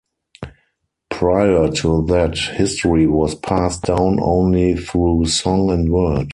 Prior to that, history was passed down only through song and word.